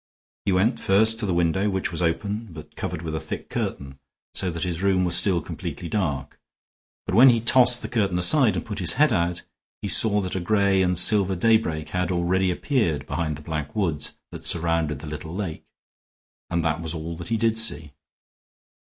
He went first to the window, which was open, but covered with a thick curtain, so that his room was still completely dark; but when he tossed the curtain aside and put his head out, he saw that a gray and silver daybreak had already appeared behind the black woods that surrounded the little lake, and that was all that he did see.